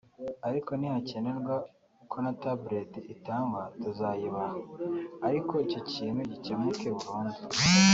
Ariko nihakenerwa ko na tablet itangwa tuzayibaha ariko icyo kintu gikemuke burundu